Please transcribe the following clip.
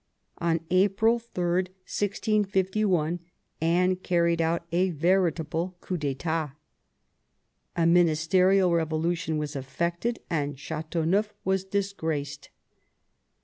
On April 3, 1651, Anne carried out a veritable coup d^itat. A ministerial revolution was effected, and Ch^teauneuf was disgraced.